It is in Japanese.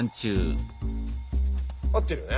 合ってるよね？